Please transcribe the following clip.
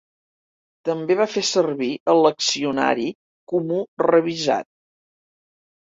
També va fer servir el Leccionari Comú Revisat.